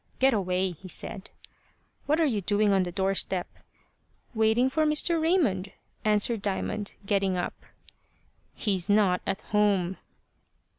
"Get, away" he said. "What are you doing on the doorstep?" "Waiting for Mr. Raymond," answered Diamond, getting up. "He's not at home."